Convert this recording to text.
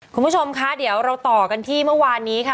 คุณผู้ชมคะเดี๋ยวเราต่อกันที่เมื่อวานนี้ค่ะ